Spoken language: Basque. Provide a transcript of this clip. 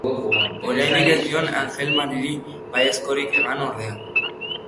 Oraindik ez nion Anjelmariri baiezkorik eman ordea.